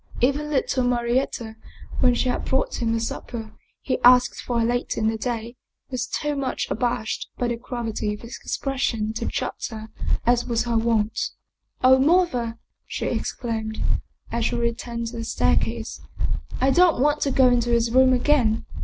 Even little Mari etta, when she had brought him the supper he asked for later in the day, was too much abashed by the gravity of his expression to chatter as was her wont. " Oh, mother," she exclaimed, as she returned to the staircase, " I don't want to go into his room again.